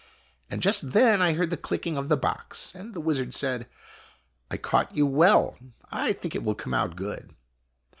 And just then I heard the click ing of the box, and the wizard said :" I caught you well. I think it will come out good."